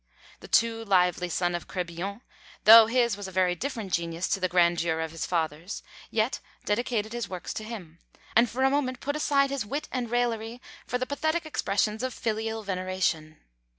The too lively son of Crebillon, though his was a very different genius to the grandeur of his father's, yet dedicated his works to him, and for a moment put aside his wit and raillery for the pathetic expressions of filial veneration.